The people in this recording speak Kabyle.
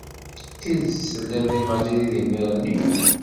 D tidet telliḍ deg Madrid imir-nni?